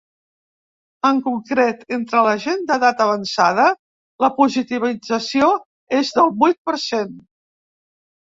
En concret, entre la gent d’edat avançada la positivització és del vuit per cent.